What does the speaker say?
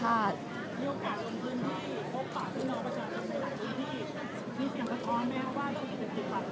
และที่อยู่ด้านหลังคุณยิ่งรักนะคะก็คือนางสาวคัตยาสวัสดีผลนะคะ